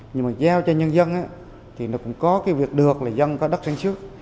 nhưng mà giao cho nhân dân thì nó cũng có cái việc được là dân có đất sản xuất